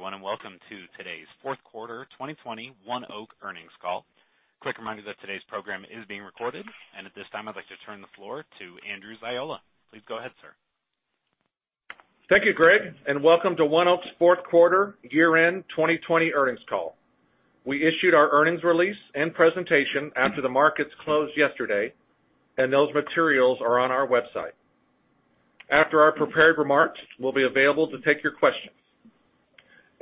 Good day, everyone. Welcome to today's Fourth Quarter 2020 ONEOK Earnings Call. Quick reminder that today's program is being recorded. At this time, I'd like to turn the floor to Andrew Ziola. Please go ahead, sir. Thank you, Greg. Welcome to ONEOK's fourth quarter year-end 2020 earnings call. We issued our earnings release and presentation after the markets closed yesterday. Those materials are on our website. After our prepared remarks, we'll be available to take your questions.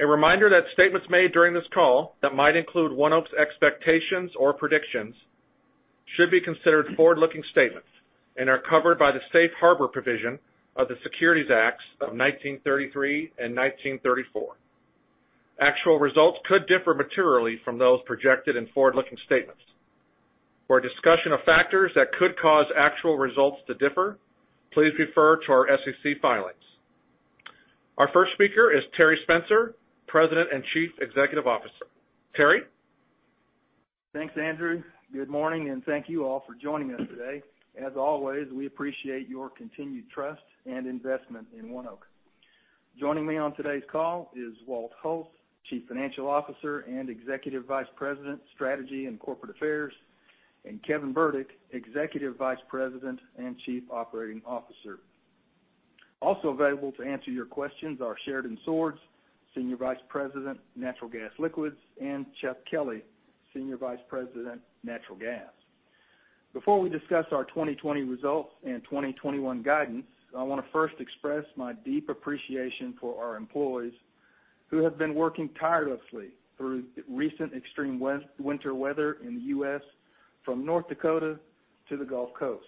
A reminder that statements made during this call that might include ONEOK's expectations or predictions should be considered forward-looking statements and are covered by the Safe Harbor provision of the Securities Acts of 1933 and 1934. Actual results could differ materially from those projected in forward-looking statements. For a discussion of factors that could cause actual results to differ, please refer to our SEC filings. Our first speaker is Terry Spencer, President and Chief Executive Officer. Terry? Thanks, Andrew. Good morning, thank you all for joining us today. As always, we appreciate your continued trust and investment in ONEOK. Joining me on today's call is Walt Hulse, Chief Financial Officer and Executive Vice President, Strategy and Corporate Affairs, and Kevin Burdick, Executive Vice President and Chief Operating Officer. Also available to answer your questions are Sheridan Swords, Senior Vice President, Natural Gas Liquids, and Chuck Kelley, Senior Vice President, Natural Gas. Before we discuss our 2020 results and 2021 guidance, I want to first express my deep appreciation for our employees who have been working tirelessly through recent extreme winter weather in the U.S. from North Dakota to the Gulf Coast.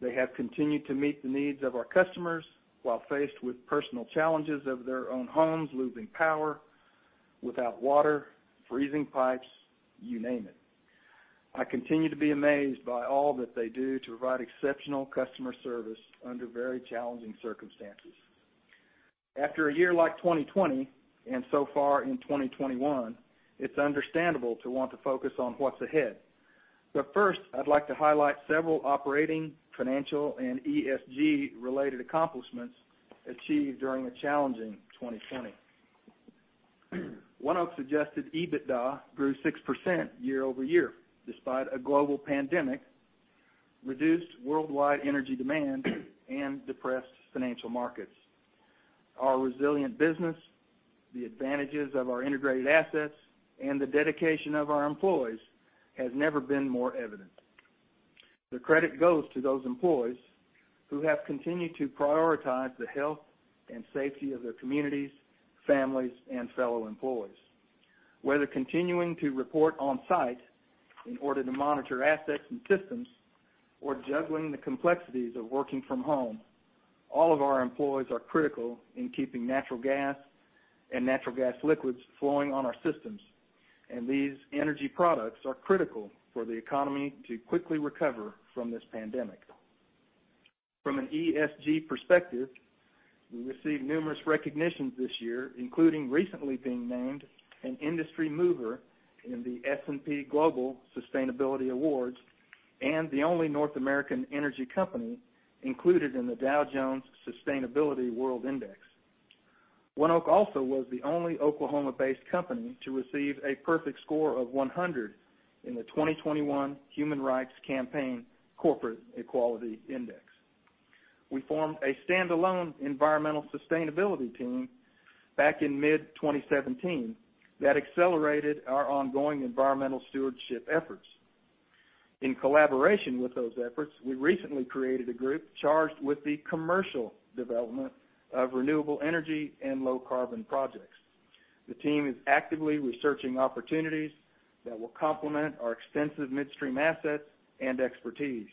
They have continued to meet the needs of our customers while faced with personal challenges of their own homes losing power, without water, freezing pipes, you name it. I continue to be amazed by all that they do to provide exceptional customer service under very challenging circumstances. After a year like 2020 and so far in 2021, it's understandable to want to focus on what's ahead. First, I'd like to highlight several operating, financial, and ESG-related accomplishments achieved during a challenging 2020. ONEOK's adjusted EBITDA grew 6% year-over-year, despite a global pandemic, reduced worldwide energy demand, and depressed financial markets. Our resilient business, the advantages of our integrated assets, and the dedication of our employees has never been more evident. The credit goes to those employees who have continued to prioritize the health and safety of their communities, families, and fellow employees. Whether continuing to report on-site in order to monitor assets and systems or juggling the complexities of working from home, all of our employees are critical in keeping natural gas and natural gas liquids flowing on our systems. These energy products are critical for the economy to quickly recover from this pandemic. From an ESG perspective, we received numerous recognitions this year, including recently being named an industry mover in the S&P Global Sustainability Awards and the only North American energy company included in the Dow Jones Sustainability World Index. ONEOK also was the only Oklahoma-based company to receive a perfect score of 100 in the 2021 Human Rights Campaign Corporate Equality Index. We formed a standalone environmental sustainability team back in mid-2017 that accelerated our ongoing environmental stewardship efforts. In collaboration with those efforts, we recently created a group charged with the commercial development of renewable energy and low-carbon projects. The team is actively researching opportunities that will complement our extensive midstream assets and expertise,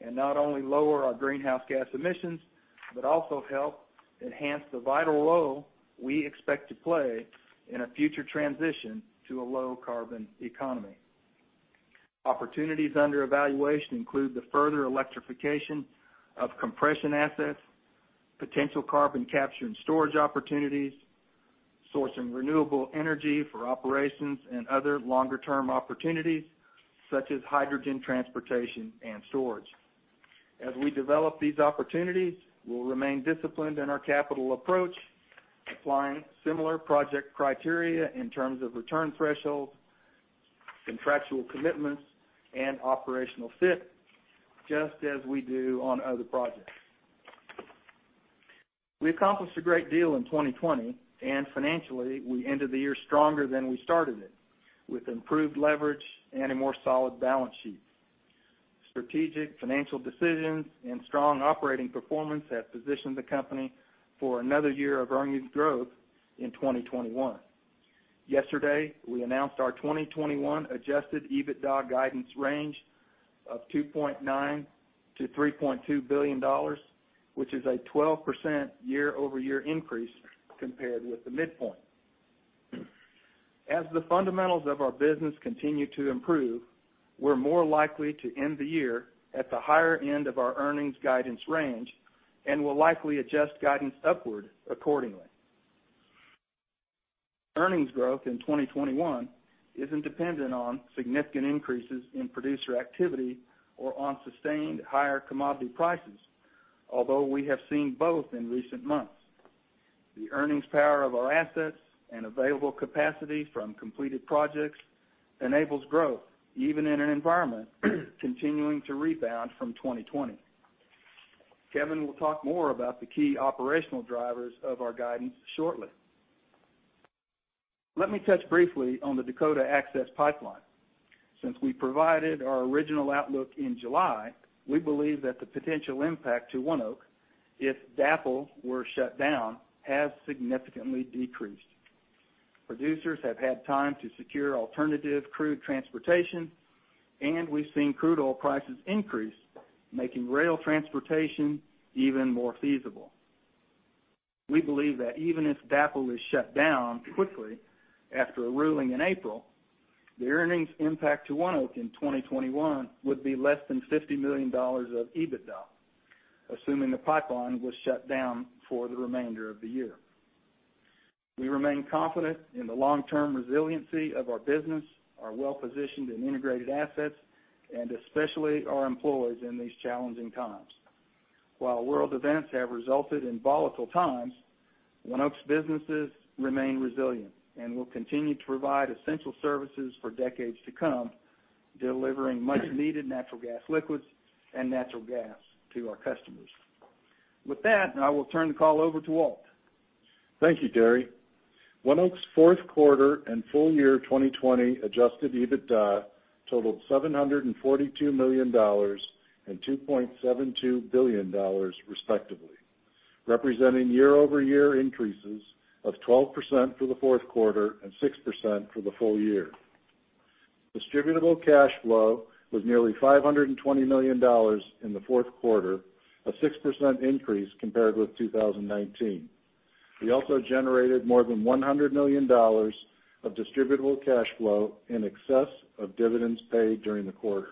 and not only lower our greenhouse gas emissions, but also help enhance the vital role we expect to play in a future transition to a low-carbon economy. Opportunities under evaluation include the further electrification of compression assets, potential carbon capture and storage opportunities, sourcing renewable energy for operations and other longer-term opportunities, such as hydrogen transportation and storage. As we develop these opportunities, we'll remain disciplined in our capital approach, applying similar project criteria in terms of return thresholds, contractual commitments, and operational fit, just as we do on other projects. We accomplished a great deal in 2020. Financially, we ended the year stronger than we started it, with improved leverage and a more solid balance sheet. Strategic financial decisions and strong operating performance have positioned the company for another year of earnings growth in 2021. Yesterday, we announced our 2021 adjusted EBITDA guidance range of $2.9 billion-$3.2 billion, which is a 12% year-over-year increase compared with the midpoint. As the fundamentals of our business continue to improve, we're more likely to end the year at the higher end of our earnings guidance range and will likely adjust guidance upward accordingly. Earnings growth in 2021 isn't dependent on significant increases in producer activity or on sustained higher commodity prices, although we have seen both in recent months. The earnings power of our assets and available capacity from completed projects enables growth even in an environment continuing to rebound from 2020. Kevin will talk more about the key operational drivers of our guidance shortly. Let me touch briefly on the Dakota Access Pipeline. Since we provided our original outlook in July, we believe that the potential impact to ONEOK, if DAPL were shut down, has significantly decreased. Producers have had time to secure alternative crude transportation, and we've seen crude oil prices increase, making rail transportation even more feasible. We believe that even if DAPL is shut down quickly after a ruling in April, the earnings impact to ONEOK in 2021 would be less than $50 million of EBITDA, assuming the pipeline was shut down for the remainder of the year. We remain confident in the long-term resiliency of our business, our well-positioned and integrated assets, and especially our employees in these challenging times. While world events have resulted in volatile times, ONEOK's businesses remain resilient and will continue to provide essential services for decades to come, delivering much-needed natural gas liquids and natural gas to our customers. With that, I will turn the call over to Walt. Thank you, Terry. ONEOK's fourth quarter and full year 2020 adjusted EBITDA totaled $742 million and $2.72 billion respectively, representing year-over-year increases of 12% for the fourth quarter and 6% for the full year. Distributable cash flow was nearly $520 million in the fourth quarter, a 6% increase compared with 2019. We also generated more than $100 million of distributable cash flow in excess of dividends paid during the quarter.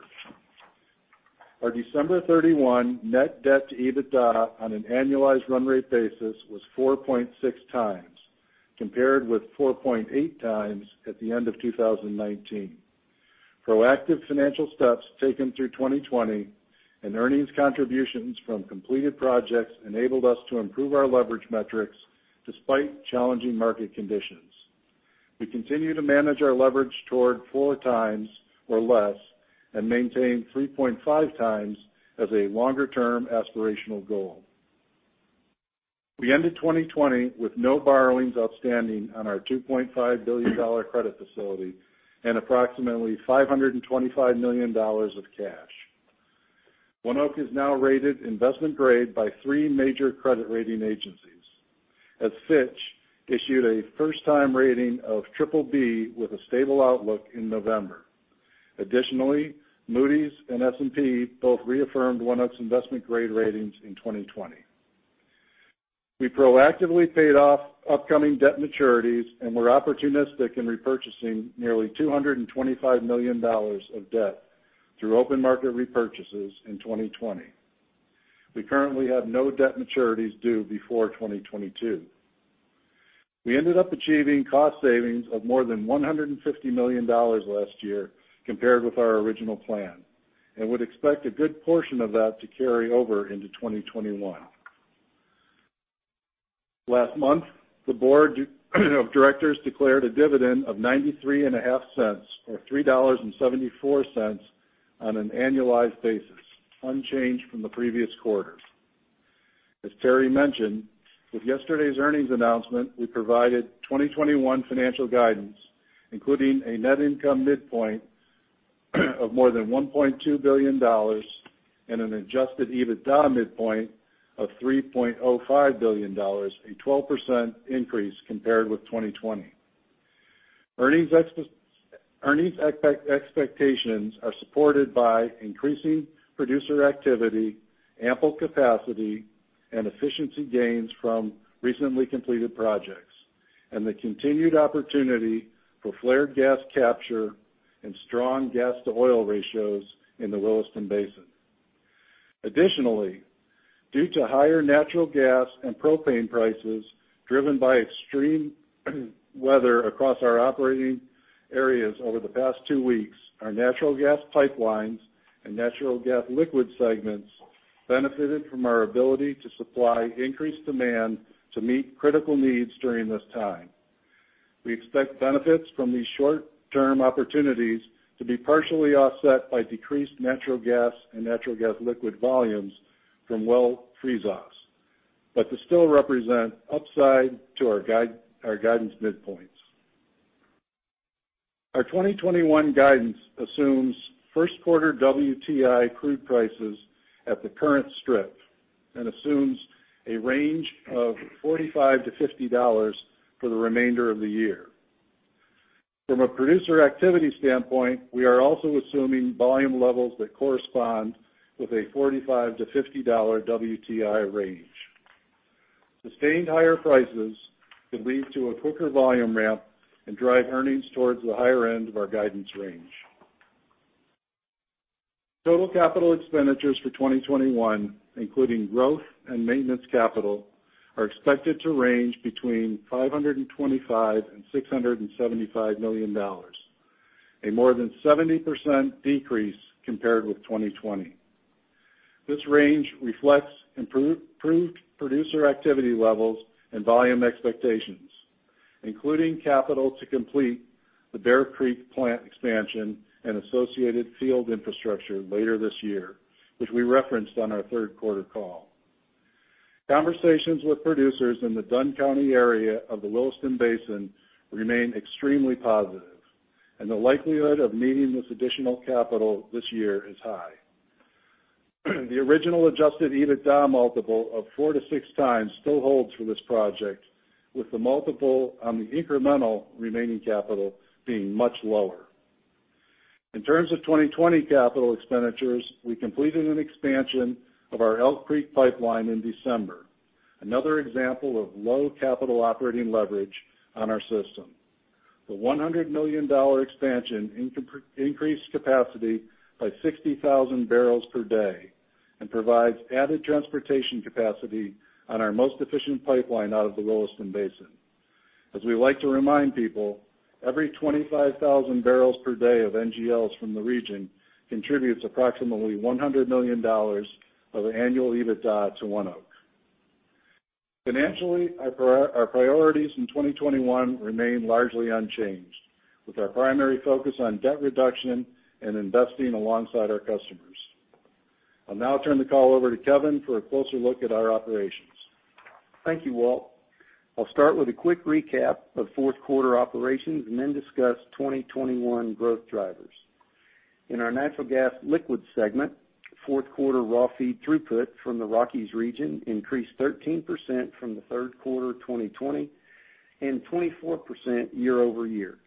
Our December 31 net debt to EBITDA on an annualized run rate basis was 4.6 times, compared with 4.8 times at the end of 2019. Proactive financial steps taken through 2020 and earnings contributions from completed projects enabled us to improve our leverage metrics despite challenging market conditions. We continue to manage our leverage toward 4 times or less and maintain 3.5 times as a longer-term aspirational goal. We ended 2020 with no borrowings outstanding on our $2.5 billion credit facility and approximately $525 million of cash. ONEOK is now rated investment grade by three major credit rating agencies, as Fitch issued a first-time rating of BBB with a stable outlook in November. Additionally, Moody's and S&P both reaffirmed ONEOK's investment-grade ratings in 2020. We proactively paid off upcoming debt maturities and were opportunistic in repurchasing nearly $225 million of debt through open market repurchases in 2020. We currently have no debt maturities due before 2022. We ended up achieving cost savings of more than $150 million last year compared with our original plan and would expect a good portion of that to carry over into 2021. Last month, the board of directors declared a dividend of $0.935 or $3.74 on an annualized basis, unchanged from the previous quarter. As Terry mentioned, with yesterday's earnings announcement, we provided 2021 financial guidance, including a net income midpoint of more than $1.2 billion and an adjusted EBITDA midpoint of $3.05 billion, a 12% increase compared with 2020. Earnings expectations are supported by increasing producer activity, ample capacity, and efficiency gains from recently completed projects, and the continued opportunity for flared gas capture and strong gas-to-oil ratios in the Williston Basin. Additionally, due to higher natural gas and propane prices driven by extreme weather across our operating areas over the past two weeks, our natural gas pipelines and natural gas liquid segments benefited from our ability to supply increased demand to meet critical needs during this time. We expect benefits from these short-term opportunities to be partially offset by decreased natural gas and natural gas liquids volumes from well freeze-offs, but to still represent upside to our guidance midpoints. Our 2021 guidance assumes first quarter WTI crude prices at the current strip and assumes a range of $45-$50 for the remainder of the year. From a producer activity standpoint, we are also assuming volume levels that correspond with a $45-$50 WTI range. Sustained higher prices could lead to a quicker volume ramp and drive earnings towards the higher end of our guidance range. Total capital expenditures for 2021, including growth and maintenance capital, are expected to range between $525 million-$675 million, a more than 70% decrease compared with 2020. This range reflects improved producer activity levels and volume expectations, including capital to complete the Bear Creek plant expansion and associated field infrastructure later this year, which we referenced on our third quarter call. Conversations with producers in the Dunn County area of the Williston Basin remain extremely positive, and the likelihood of needing this additional capital this year is high. The original adjusted EBITDA multiple of 4 to 6 times still holds for this project, with the multiple on the incremental remaining capital being much lower. In terms of 2020 capital expenditures, we completed an expansion of our Elk Creek Pipeline in December, another example of low capital operating leverage on our system. The $100 million expansion increased capacity by 60,000 barrels per day and provides added transportation capacity on our most efficient pipeline out of the Williston Basin. As we like to remind people, every 25,000 barrels per day of NGLs from the region contributes approximately $100 million of annual EBITDA to ONEOK. Financially, our priorities in 2021 remain largely unchanged, with our primary focus on debt reduction and investing alongside our customers. I'll now turn the call over to Kevin for a closer look at our operations. Thank you, Walt. I'll start with a quick recap of fourth quarter operations and then discuss 2021 growth drivers. In our natural gas liquids segment, fourth quarter raw feed throughput from the Rockies region increased 13% from the third quarter 2020 and 24% year-over-year.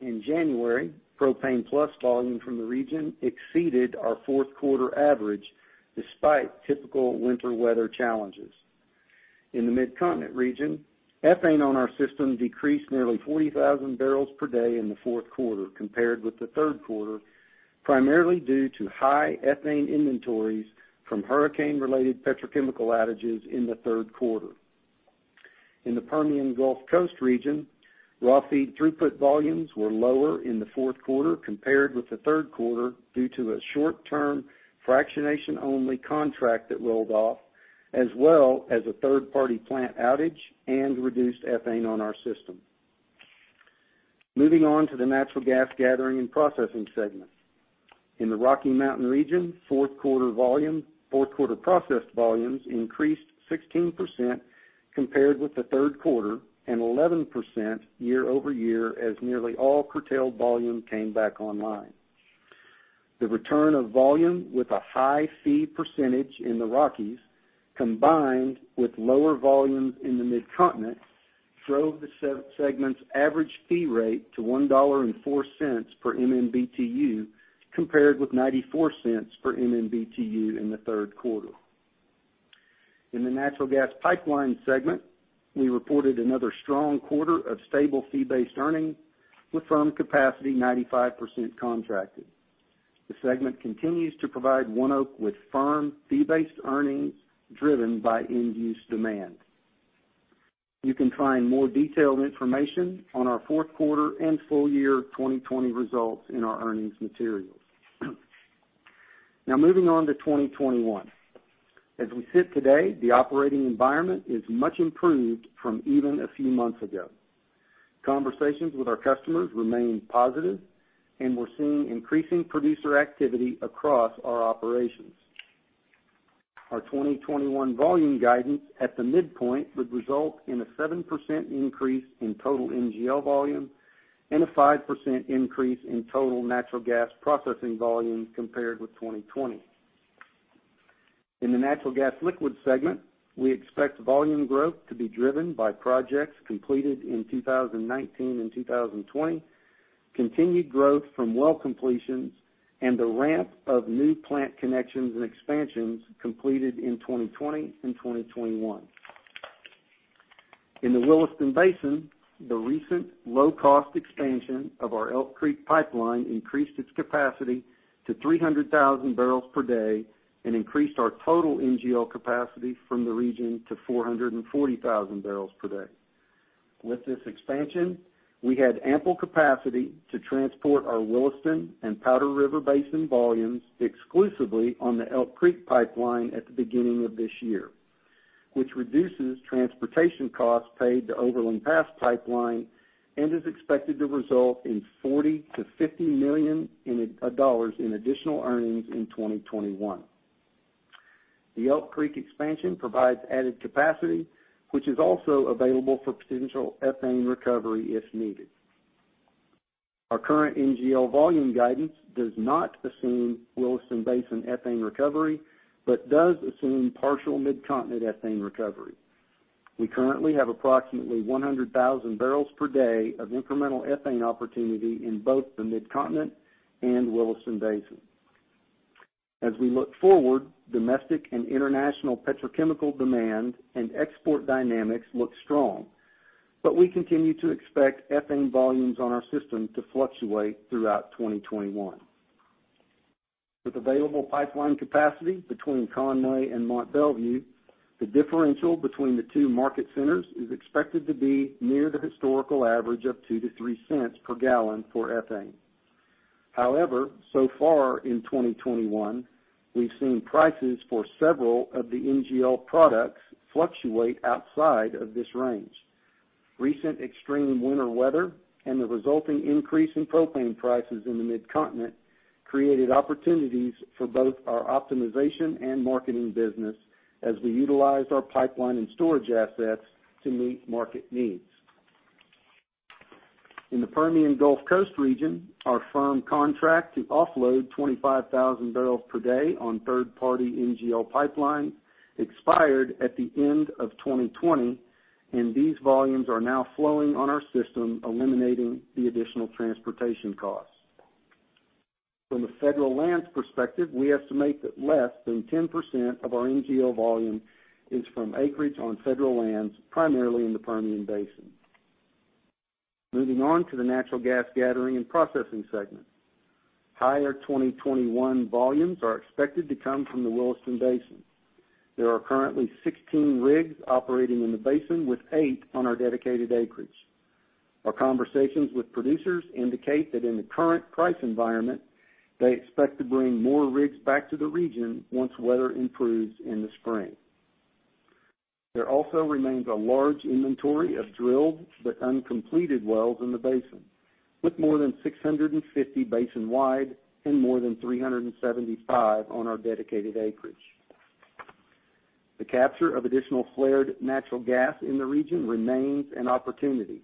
In January, propane plus volume from the region exceeded our fourth quarter average despite typical winter weather challenges. In the Midcontinent region, ethane on our system decreased nearly 40,000 barrels per day in the fourth quarter compared with the third quarter, primarily due to high ethane inventories from hurricane-related petrochemical outages in the third quarter. In the Permian Gulf Coast region, raw feed throughput volumes were lower in the fourth quarter compared with the third quarter due to a short-term fractionation-only contract that rolled off, as well as a third-party plant outage and reduced ethane on our system. Moving on to the natural gas gathering and processing segment. In the Rocky Mountain region, fourth quarter processed volumes increased 16% compared with the third quarter and 11% year-over-year as nearly all curtailed volume came back online. The return of volume with a high fee percentage in the Rockies, combined with lower volumes in the Midcontinent, drove the segment's average fee rate to $1.04 per MMBtu, compared with $0.94 per MMBtu in the third quarter. In the natural gas pipeline segment, we reported another strong quarter of stable fee-based earnings with firm capacity 95% contracted. The segment continues to provide ONEOK with firm fee-based earnings driven by end-use demand. You can find more detailed information on our fourth quarter and full year 2020 results in our earnings materials. Now moving on to 2021. As we sit today, the operating environment is much improved from even a few months ago. Conversations with our customers remain positive and we're seeing increasing producer activity across our operations. Our 2021 volume guidance at the midpoint would result in a 7% increase in total NGL volume and a 5% increase in total natural gas processing volume compared with 2020. In the natural gas liquids segment, we expect volume growth to be driven by projects completed in 2019 and 2020, continued growth from well completions, and the ramp of new plant connections and expansions completed in 2020 and 2021. In the Williston Basin, the recent low-cost expansion of our Elk Creek Pipeline increased its capacity to 300,000 barrels per day and increased our total NGL capacity from the region to 440,000 barrels per day. With this expansion, we had ample capacity to transport our Williston and Powder River Basin volumes exclusively on the Elk Creek Pipeline at the beginning of this year, which reduces transportation costs paid to Overland Pass Pipeline and is expected to result in $40 million-$50 million in additional earnings in 2021. The Elk Creek Pipeline expansion provides added capacity, which is also available for potential ethane recovery if needed. Our current NGL volume guidance does not assume Williston Basin ethane recovery but does assume partial Midcontinent ethane recovery. We currently have approximately 100,000 barrels per day of incremental ethane opportunity in both the Midcontinent and Williston Basin. As we look forward, domestic and international petrochemical demand and export dynamics look strong. We continue to expect ethane volumes on our system to fluctuate throughout 2021. With available pipeline capacity between Conway and Mont Belvieu, the differential between the two market centers is expected to be near the historical average of $0.02-$0.03 per gallon for ethane. However, so far in 2021, we've seen prices for several of the NGL products fluctuate outside of this range. Recent extreme winter weather and the resulting increase in propane prices in the Mid-Continent, created opportunities for both our optimization and marketing business as we utilized our pipeline and storage assets to meet market needs. In the Permian Gulf Coast region, our firm contract to offload 25,000 barrels per day on third-party NGL pipeline expired at the end of 2020, and these volumes are now flowing on our system, eliminating the additional transportation costs. From a federal lands perspective, we estimate that less than 10% of our NGL volume is from acreage on federal lands, primarily in the Permian Basin. Moving on to the natural gas gathering and processing segment. Higher 2021 volumes are expected to come from the Williston Basin. There are currently 16 rigs operating in the basin, with eight on our dedicated acreage. Our conversations with producers indicate that in the current price environment, they expect to bring more rigs back to the region once weather improves in the spring. There also remains a large inventory of drilled, but uncompleted wells in the basin, with more than 650 basin-wide and more than 375 on our dedicated acreage. The capture of additional flared natural gas in the region remains an opportunity.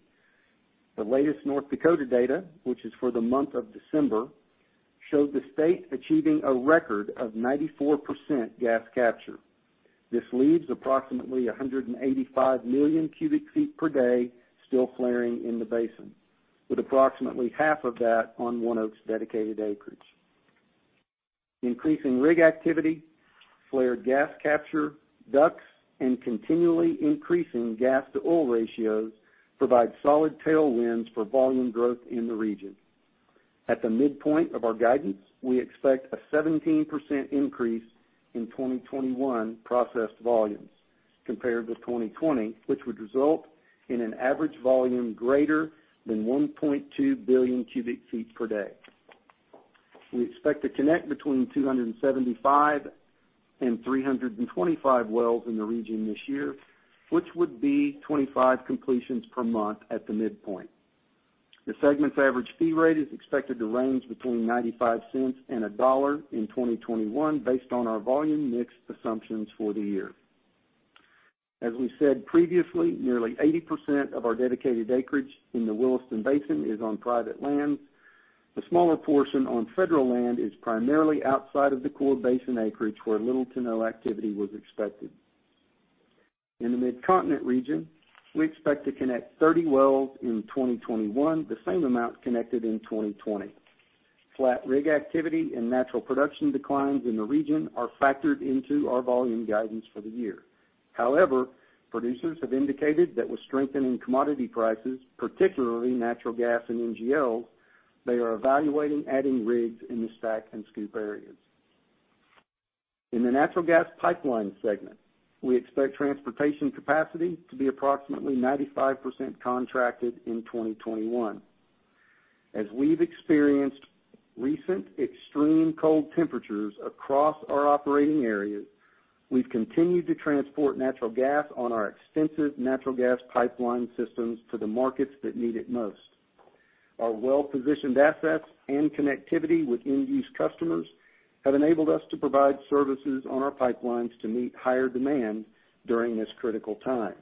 The latest North Dakota data, which is for the month of December, showed the state achieving a record of 94% gas capture. This leaves approximately 185 million cubic feet per day still flaring in the basin, with approximately half of that on ONEOK's dedicated acreage. Increasing rig activity, flared gas capture, DUCs, and continually increasing gas-to-oil ratios provide solid tailwinds for volume growth in the region. At the midpoint of our guidance, we expect a 17% increase in 2021 processed volumes compared to 2020, which would result in an average volume greater than 1.2 billion cubic feet per day. We expect to connect between 275 and 325 wells in the region this year, which would be 25 completions per month at the midpoint. The segment's average fee rate is expected to range between $0.95 and $1.00 in 2021, based on our volume mix assumptions for the year. As we said previously, nearly 80% of our dedicated acreage in the Williston Basin is on private land. The smaller portion on federal land is primarily outside of the core basin acreage where little to no activity was expected. In the Mid-Continent region, we expect to connect 30 wells in 2021, the same amount connected in 2020. Flat rig activity and natural production declines in the region are factored into our volume guidance for the year. However, producers have indicated that with strengthening commodity prices, particularly natural gas and NGL, they are evaluating adding rigs in the STACK and SCOOP areas. In the natural gas pipeline segment, we expect transportation capacity to be approximately 95% contracted in 2021. As we've experienced recent extreme cold temperatures across our operating areas, we've continued to transport natural gas on our extensive natural gas pipeline systems to the markets that need it most. Our well-positioned assets and connectivity with end-use customers have enabled us to provide services on our pipelines to meet higher demand during this critical time.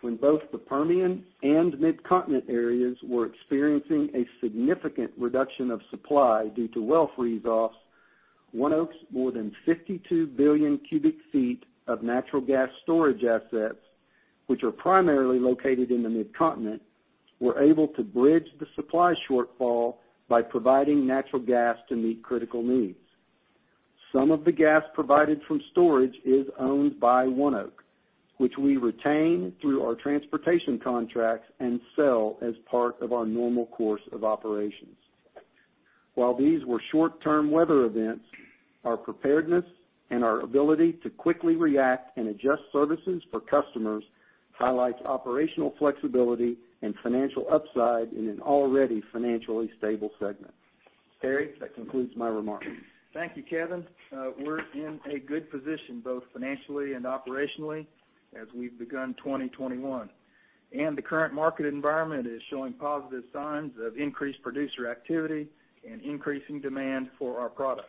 When both the Permian and Mid-Continent areas were experiencing a significant reduction of supply due to well freeze-offs, ONEOK's more than 52 billion cubic feet of natural gas storage assets, which are primarily located in the Mid-Continent, were able to bridge the supply shortfall by providing natural gas to meet critical needs. Some of the gas provided from storage is owned by ONEOK, which we retain through our transportation contracts and sell as part of our normal course of operations. While these were short-term weather events, our preparedness and our ability to quickly react and adjust services for customers highlights operational flexibility and financial upside in an already financially stable segment. Terry, that concludes my remarks. Thank you, Kevin. We're in a good position, both financially and operationally, as we've begun 2021. The current market environment is showing positive signs of increased producer activity and increasing demand for our products.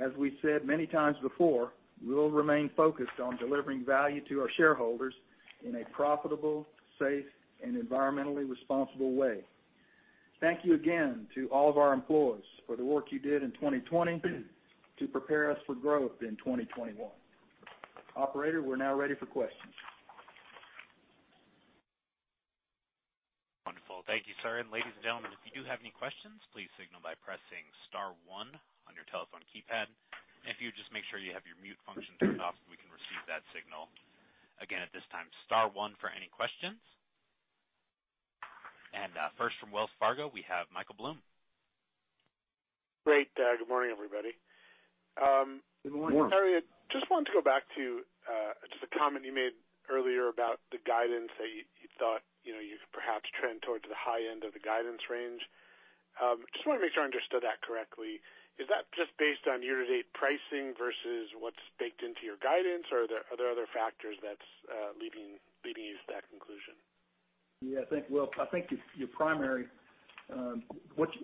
As we said many times before, we'll remain focused on delivering value to our shareholders in a profitable, safe, and environmentally responsible way. Thank you again to all of our employees for the work you did in 2020 to prepare us for growth in 2021. Operator, we're now ready for questions. Wonderful. Thank you, sir. Ladies and gentlemen, if you do have any questions, please signal by pressing star one on your telephone keypad. If you would just make sure you have your mute function turned off we can receive that signal. Again, at this time, star one for any questions. First from Wells Fargo, we have Michael Blum. Great. Good morning, everybody. Good morning. Terry, just wanted to go back to a comment you made earlier about the guidance that you thought you could perhaps trend towards the high end of the guidance range. Just want to make sure I understood that correctly. Is that just based on year-to-date pricing versus what's baked into your guidance, or are there other factors that's leading you to that conclusion? Will,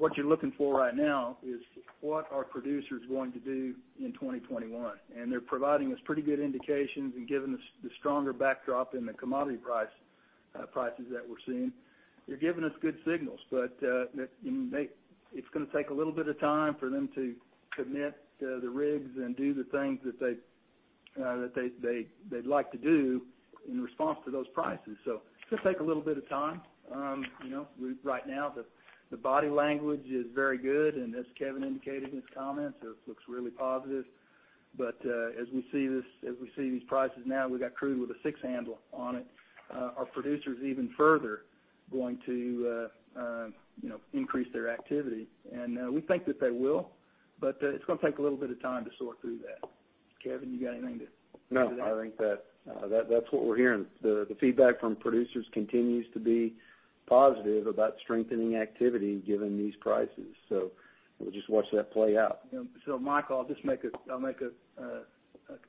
what you're looking for right now is what are producers going to do in 2021? They're providing us pretty good indications and giving us the stronger backdrop in the commodity prices that we're seeing. They're giving us good signals. It's going to take a little bit of time for them to commit the rigs and do the things that they'd like to do in response to those prices. It's going to take a little bit of time. Right now, the body language is very good, as Kevin indicated in his comments, it looks really positive. As we see these prices now, we've got crude with a six handle on it. Are our producers even further going to increase their activity? We think that they will, but it's going to take a little bit of time to sort through that. Kevin, you got anything to add to that? I think that's what we're hearing. The feedback from producers continues to be positive about strengthening activity given these prices. We'll just watch that play out. Michael, I'll just make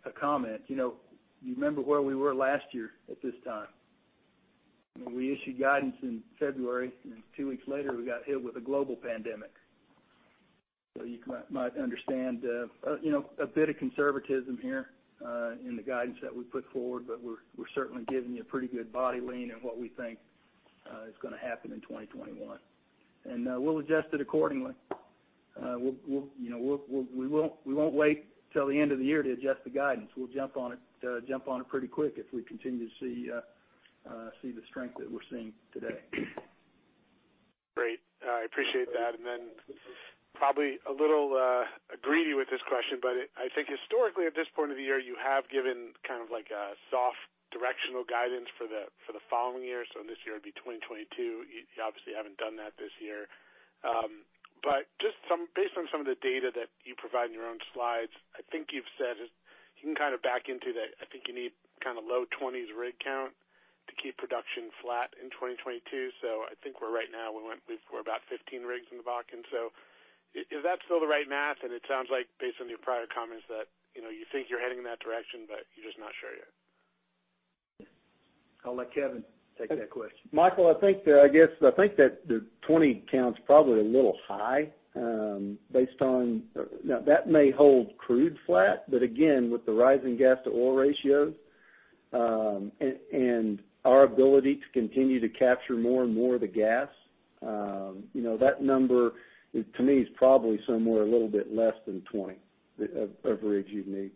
a comment. You remember where we were last year at this time. We issued guidance in February, and two weeks later, we got hit with a global pandemic. You might understand a bit of conservatism here in the guidance that we put forward, but we're certainly giving you a pretty good body lean in what we think is going to happen in 2021. We'll adjust it accordingly. We won't wait till the end of the year to adjust the guidance. We'll jump on it pretty quick if we continue to see the strength that we're seeing today. Great. I appreciate that. Probably a little greedy with this question, but I think historically at this point of the year, you have given kind of like a soft directional guidance for the following year. This year, it would be 2022. You obviously haven't done that this year. Just based on some of the data that you provide in your own slides, I think you've said you can kind of back into the, I think you need kind of low 20s rig count to keep production flat in 2022. I think we're right now, we're about 15 rigs in the Bakken. Is that still the right math? It sounds like based on your prior comments that you think you're heading in that direction, but you're just not sure yet. I'll let Kevin take that question. Michael, I think that the 20 count's probably a little high. That may hold crude flat, but again, with the rising gas to oil ratios, and our ability to continue to capture more and more of the gas, that number, to me, is probably somewhere a little bit less than 20 of rigs you'd need.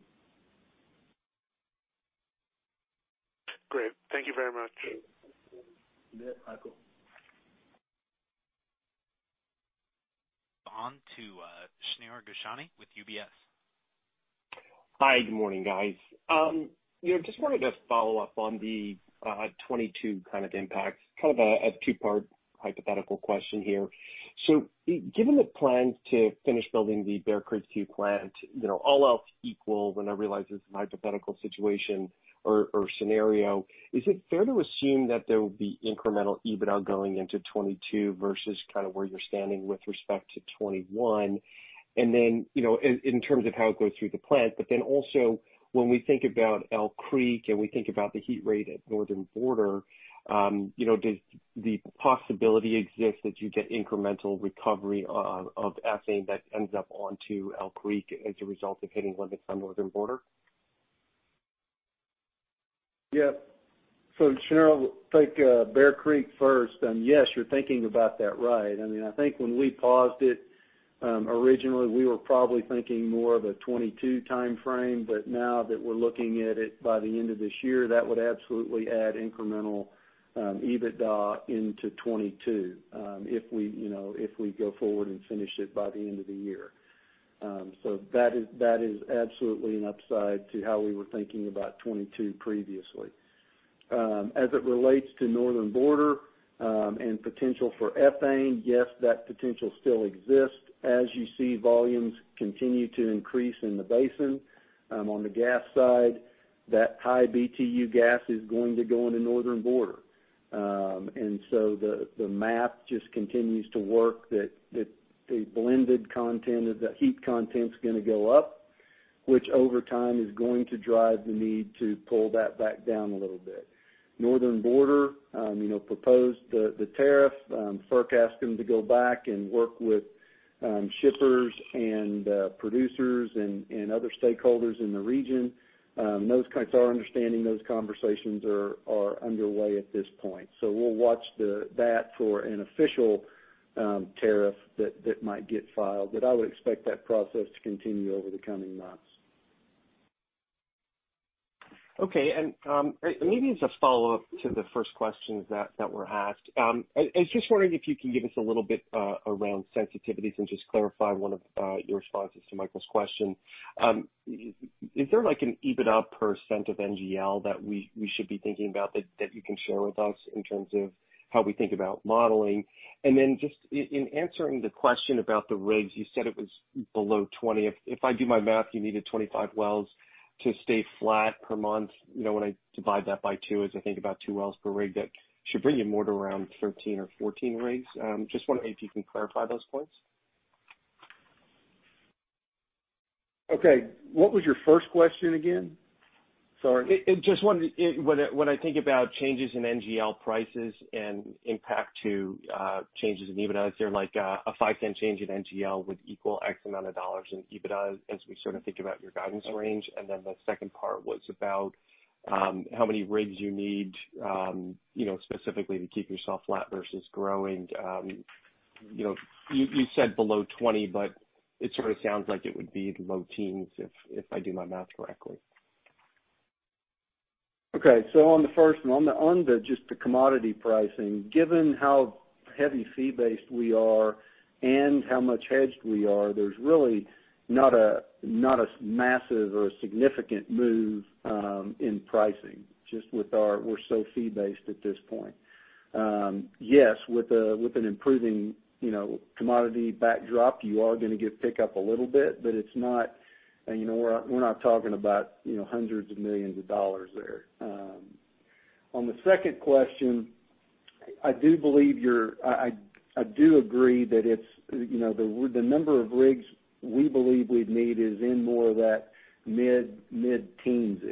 Great. Thank you very much. You bet, Michael. On to Shneur Gershuni with UBS. Hi, good morning, guys. Wanted to follow up on the 2022 impacts, kind of a two-part hypothetical question here. Given the plans to finish building the Bear Creek 2 plant, all else equal, when I realize this is a hypothetical situation or scenario, is it fair to assume that there will be incremental EBITDA going into 2022 versus where you're standing with respect to 2021? In terms of how it goes through the plant, when we think about Elk Creek and we think about the heat rate at Northern Border, does the possibility exist that you get incremental recovery of ethane that ends up onto Elk Creek as a result of hitting limits on Northern Border? Shneur, I'll take Bear Creek first. Yes, you're thinking about that right. I think when we paused it originally, we were probably thinking more of a 2022 timeframe. Now that we're looking at it by the end of this year, that would absolutely add incremental EBITDA into 2022, if we go forward and finish it by the end of the year. That is absolutely an upside to how we were thinking about 2022 previously. As it relates to Northern Border, potential for ethane, yes, that potential still exists. As you see, volumes continue to increase in the basin. On the gas side, that high BTU gas is going to go into Northern Border. The math just continues to work that the blended content of the heat content's going to go up, which over time is going to drive the need to pull that back down a little bit. Northern Border, proposed the tariff. FERC asked them to go back and work with shippers and producers and other stakeholders in the region. Our understanding, those conversations are underway at this point. We'll watch that for an official tariff that might get filed. I would expect that process to continue over the coming months. Okay. Maybe as a follow-up to the first questions that were asked, I was just wondering if you can give us a little bit around sensitivities and just clarify one of your responses to Michael's question. Is there like an EBITDA percent of NGL that we should be thinking about that you can share with us in terms of how we think about modeling? Then just in answering the question about the rigs, you said it was below 20. If I do my math, you needed 25 wells to stay flat per month. When I divide that by two, as I think about two wells per rig, that should bring you more to around 13 or 14 rigs. Just wondering if you can clarify those points. Okay. What was your first question again? Sorry. Just when I think about changes in NGL prices and impact to changes in EBITDA, is there like a 5% change in NGL with equal X amount in dollar in EBITDA as we sort of think about your guidance range? The second part was about how many rigs you need specifically to keep yourself flat versus growing. You said below 20, it sort of sounds like it would be low teens if I do my math correctly. Okay. On the first one, on just the commodity pricing, given how heavy fee-based we are and how much hedged we are, there's really not a massive or a significant move in pricing, just with we're so fee-based at this point. Yes, with an improving commodity backdrop, you are going to get pick up a little bit, but we're not talking about hundreds of millions of dollars there. On the second question, I do agree that the number of rigs we believe we'd need is in more of that mid-teens-ish,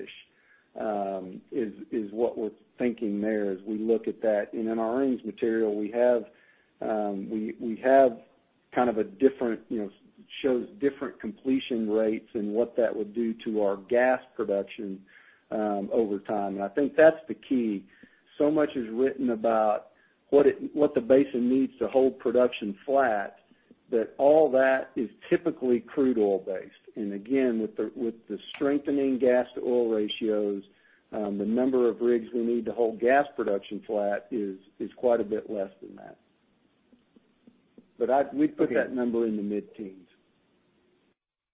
is what we're thinking there as we look at that. In our earnings material, we have shows different completion rates and what that would do to our gas production over time. I think that's the key. Much is written about what the basin needs to hold production flat, that all that is typically crude oil based. Again, with the strengthening gas to oil ratios, the number of rigs we need to hold gas production flat is quite a bit less than that. We'd put that number in the mid-teens. No,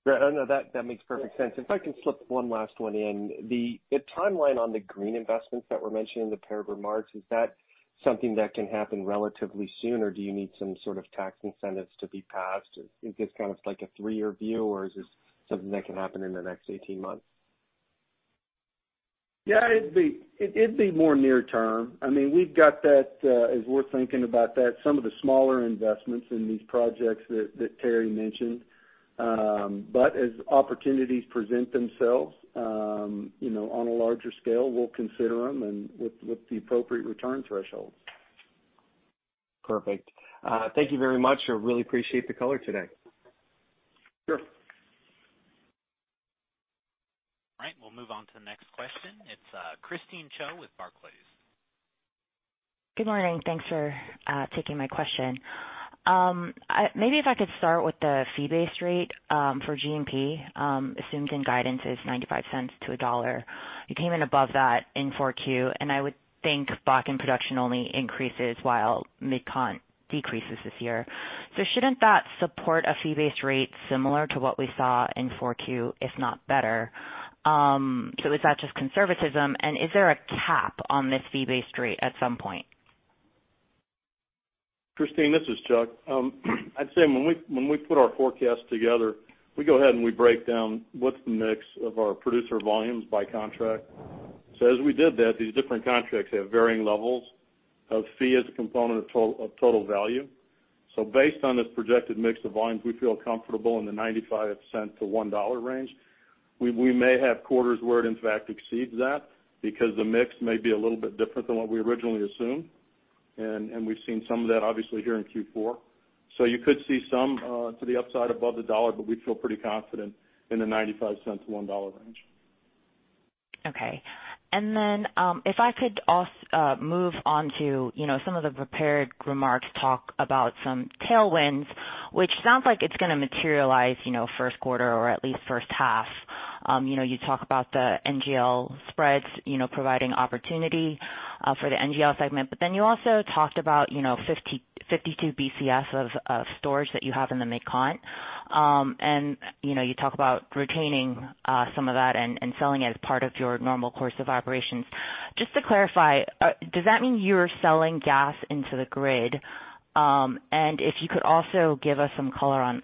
that makes perfect sense. If I can slip one last one in. The timeline on the green investments that were mentioned in the prepared remarks, is that something that can happen relatively soon or do you need some sort of tax incentives to be passed? Is this kind of like a three-year view or is this something that can happen in the next 18 months? Yeah, it'd be more near term. We've got that, as we're thinking about that, some of the smaller investments in these projects that Terry mentioned. As opportunities present themselves on a larger scale, we'll consider them and with the appropriate return thresholds. Perfect. Thank you very much. I really appreciate the color today. Sure. All right, we'll move on to the next question. It's Christine Cho with Barclays. Good morning. Thanks for taking my question. Maybe if I could start with the fee-based rate for G&P. Assumed in guidance is $0.95-$1.00. You came in above that in Q4. I would think Bakken production only increases while Mid-Con decreases this year. Shouldn't that support a fee-based rate similar to what we saw in Q4, if not better? Is that just conservatism? Is there a cap on this fee-based rate at some point? Christine, this is Chuck. I'd say when we put our forecast together, we go ahead and we break down what's the mix of our producer volumes by contract. As we did that, these different contracts have varying levels of fee as a component of total value. Based on this projected mix of volumes, we feel comfortable in the $0.95-$1 range. We may have quarters where it in fact exceeds that, because the mix may be a little bit different than what we originally assumed. We've seen some of that obviously here in Q4. You could see some to the upside above the $1, but we feel pretty confident in the $0.95-$1 range. Okay. If I could also move on to some of the prepared remarks talk about some tailwinds, which sounds like it's going to materialize first quarter or at least first half. You talk about the NGL spreads providing opportunity for the NGL segment, you also talked about 52 BCF of storage that you have in the Mid-Con. You talk about retaining some of that and selling it as part of your normal course of operations. Just to clarify, does that mean you're selling gas into the grid? If you could also give us some color on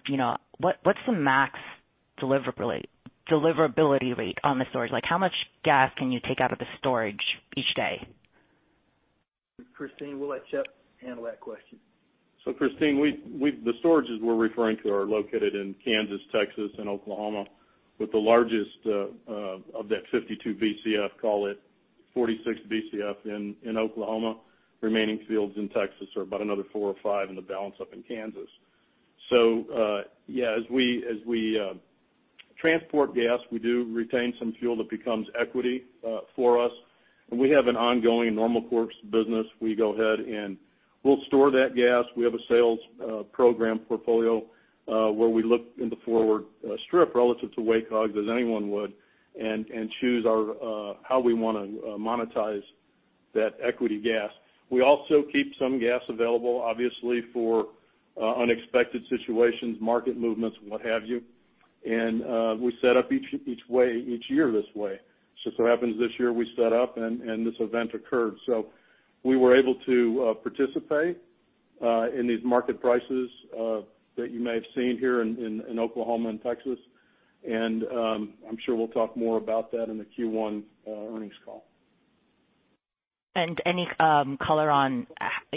what's the max deliverability rate on the storage? Like how much gas can you take out of the storage each day? Christine, we'll let Chuck handle that question. Christine, the storages we're referring to are located in Kansas, Texas, and Oklahoma, with the largest of that 52 BCF, call it 46 BCF in Oklahoma. Remaining fields in Texas are about another four or five, and the balance up in Kansas. Yeah, as we transport gas, we do retain some fuel that becomes equity for us. We have an ongoing normal course business. We go ahead and we'll store that gas. We have a sales program portfolio where we look in the forward strip relative to WACOG as anyone would and choose how we want to monetize that equity gas. We also keep some gas available, obviously, for unexpected situations, market movements, what have you. We set up each year this way. It just so happens this year we set up and this event occurred. We were able to participate in these market prices that you may have seen here in Oklahoma and Texas, and I'm sure we'll talk more about that in the Q1 earnings call. Any color on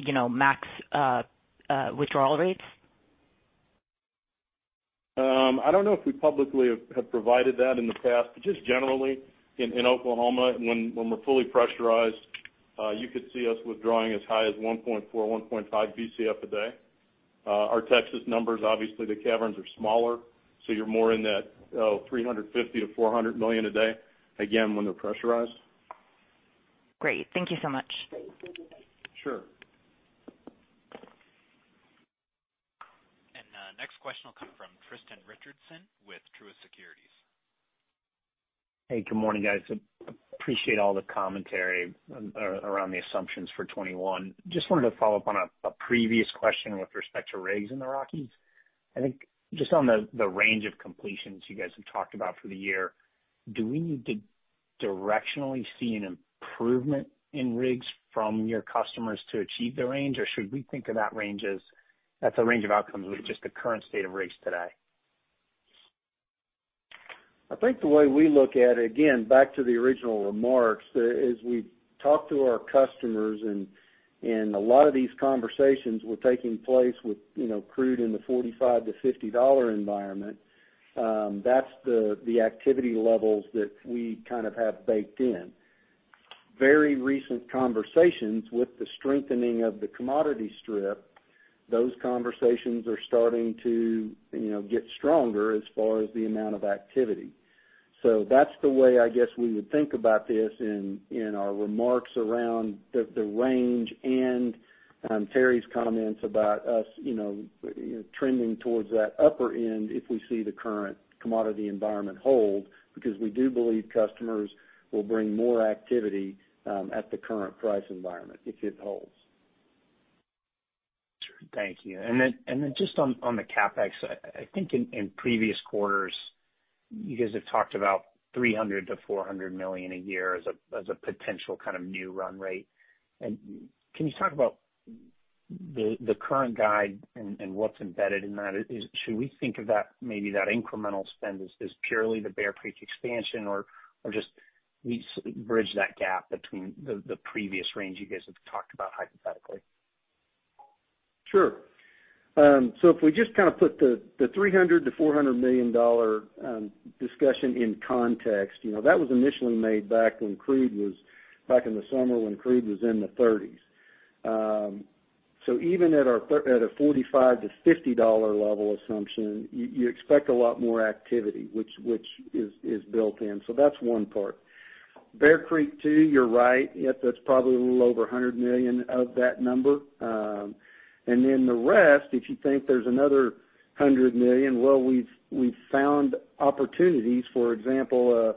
max withdrawal rates? I don't know if we publicly have provided that in the past. Just generally in Oklahoma, when we're fully pressurized, you could see us withdrawing as high as 1.4, 1.5 Bcf a day. Our Texas numbers, obviously, the caverns are smaller, so you're more in that 350 million to 400 million a day, again, when they're pressurized. Great. Thank you so much. Sure. Next question will come from Tristan Richardson with Truist Securities. Hey, good morning, guys. Appreciate all the commentary around the assumptions for 2021. Just wanted to follow up on a previous question with respect to rigs in the Rockies. I think just on the range of completions you guys have talked about for the year, do we need to directionally see an improvement in rigs from your customers to achieve the range? Or should we think of that range as that's a range of outcomes with just the current state of rigs today? I think the way we look at it, again, back to the original remarks, as we talk to our customers, a lot of these conversations were taking place with crude in the $45-$50 environment. That's the activity levels that we kind of have baked in. Very recent conversations with the strengthening of the commodity strip, those conversations are starting to get stronger as far as the amount of activity. That's the way, I guess, we would think about this in our remarks around the range and Terry's comments about us trending towards that upper end if we see the current commodity environment hold. We do believe customers will bring more activity at the current price environment if it holds. Sure. Thank you. Then just on the CapEx, I think in previous quarters, you guys have talked about $300 million-$400 million a year as a potential kind of new run rate. Can you talk about the current guide and what's embedded in that? Should we think of maybe that incremental spend as purely the Bear Creek expansion or just we bridge that gap between the previous range you guys have talked about hypothetically? Sure. If we just kind of put the $300 million-$400 million discussion in context. That was initially made back in the summer when crude was in the $30s. Even at a $45-$50 level assumption, you expect a lot more activity which is built in. That's one part. Bear Creek two, you're right. That's probably a little over $100 million of that number. The rest, if you think there's another $100 million, well, we've found opportunities. For example,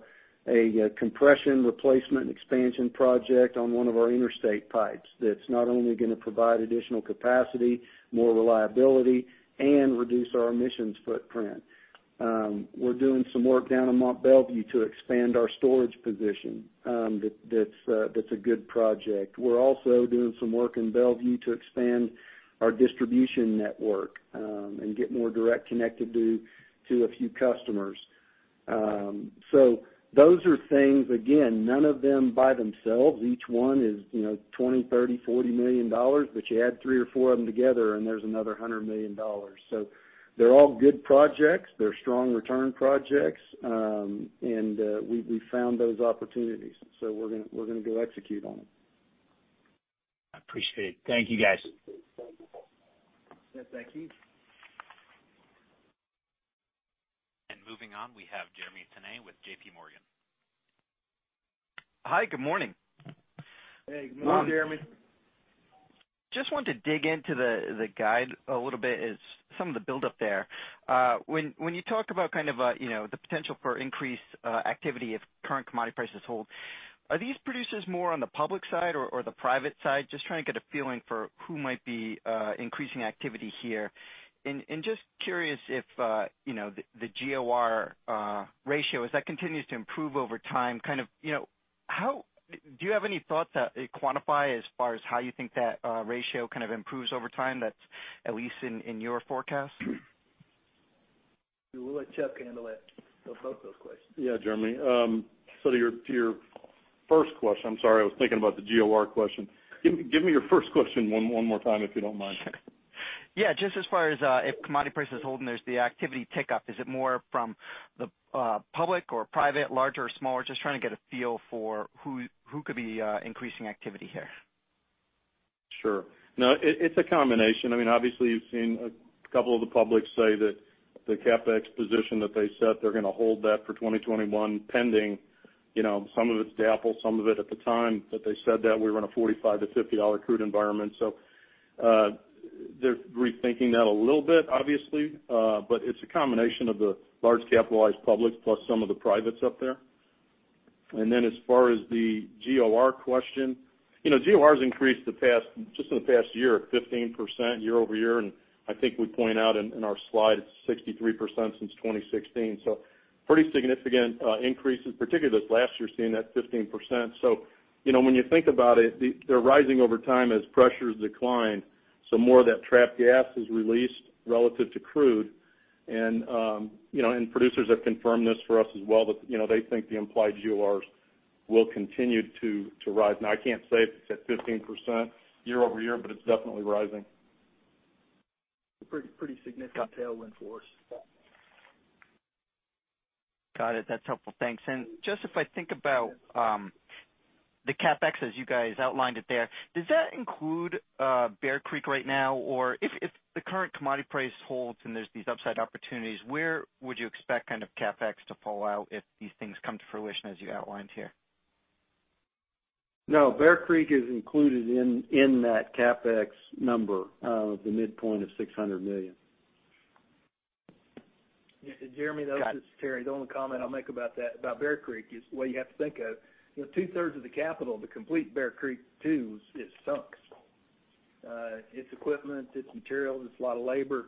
a compression replacement expansion project on one of our interstate pipes that's not only going to provide additional capacity, more reliability, and reduce our emissions footprint. We're doing some work down in Mont Belvieu to expand our storage position. That's a good project. We're also doing some work in Mont Belvieu to expand our distribution network and get more direct connectivity to a few customers. Those are things, again, none of them by themselves. Each one is $20 million, $30 million, $40 million, but you add three or four of them together and there's another $100 million. They're all good projects. They're strong return projects. We found those opportunities, we're going to go execute on them. I appreciate it. Thank you, guys. Yes, thank you. Moving on, we have Jeremy Tonet with JPMorgan. Hi, good morning. Hey, good morning, Jeremy. Just wanted to dig into the guide a little bit as some of the buildup there. When you talk about kind of the potential for increased activity if current commodity prices hold, are these producers more on the public side or the private side? Just trying to get a feeling for who might be increasing activity here. Just curious if the GOR ratio, as that continues to improve over time, do you have any thoughts that quantify as far as how you think that ratio kind of improves over time, at least in your forecast? We'll let Chuck handle that, both those questions. Yeah, Jeremy. I'm sorry, I was thinking about the GOR question. Give me your first question one more time, if you don't mind. Sure. Yeah, just as far as if commodity prices hold and there's the activity tick up, is it more from the public or private, larger or smaller? Just trying to get a feel for who could be increasing activity here. Sure. No, it's a combination. Obviously, you've seen a couple of the publics say that the CapEx position that they set, they're going to hold that for 2021 pending. Some of it's DAPL, some of it at the time that they said that we were in a $45-$50 crude environment. They're rethinking that a little bit, obviously. Then as far as the GOR question, GORs increased just in the past year, 15% year-over-year. I think we point out in our slide, it's 63% since 2016. Pretty significant increases, particularly this last year, seeing that 15%. When you think about it, they're rising over time as pressures decline. More of that trapped gas is released relative to crude. Producers have confirmed this for us as well, that they think the implied GORs will continue to rise. Now, I can't say if it's at 15% year-over-year, but it's definitely rising. Pretty significant tailwind for us. Got it. That's helpful. Thanks. Just if I think about the CapEx as you guys outlined it there, does that include Bear Creek right now? If the current commodity price holds and there's these upside opportunities, where would you expect CapEx to fall out if these things come to fruition as you outlined here? No, Bear Creek is included in that CapEx number of the midpoint of $600 million. Jeremy, this is Terry. The only comment I'll make about Bear Creek is, what you have to think of, 2/3 of the capital to complete Bear Creek Two is sunk. Its equipment, its materials, it's a lot of labor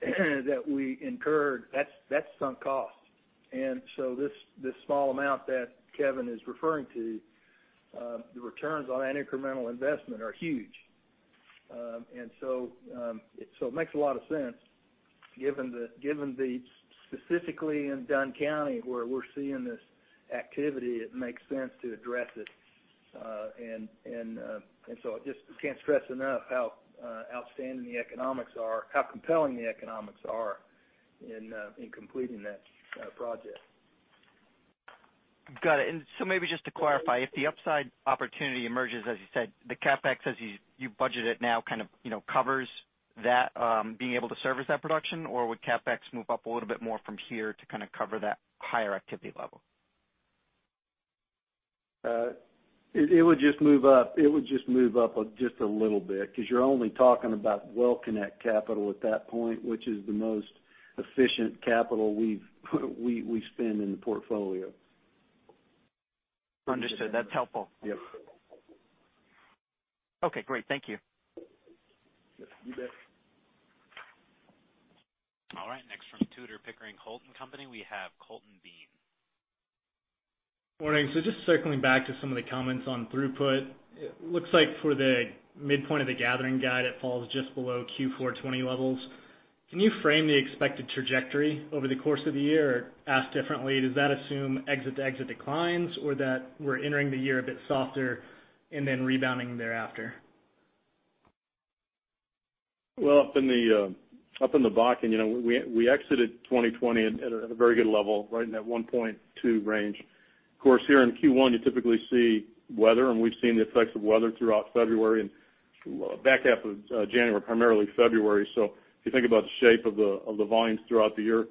that we incurred. That's sunk cost. This small amount that Kevin is referring to, the returns on that incremental investment are huge. It makes a lot of sense given specifically in Dunn County, where we're seeing this activity, it makes sense to address it. I just can't stress enough how outstanding the economics are, how compelling the economics are in completing that project. Got it. Maybe just to clarify, if the upside opportunity emerges, as you said, the CapEx as you budget it now kind of covers that, being able to service that production? Or would CapEx move up a little bit more from here to cover that higher activity level? It would just move up. It would just move up just a little bit, because you're only talking about well connect capital at that point, which is the most efficient capital we spend in the portfolio. Understood. That's helpful. Yep. Okay, great. Thank you. You bet. All right. Next from Tudor, Pickering, Holt & Co., we have Colton Bean. Morning. Just circling back to some of the comments on throughput. It looks like for the midpoint of the gathering guide, it falls just below Q4 2020 levels. Can you frame the expected trajectory over the course of the year? Asked differently, does that assume exit-to-exit declines or that we're entering the year a bit softer and then rebounding thereafter? Well, up in the Bakken, we exited 2020 at a very good level, right in that 1.2 range. Of course, here in Q1, you typically see weather, and we've seen the effects of weather throughout February and back half of January, primarily February. If you think about the shape of the volumes throughout the year,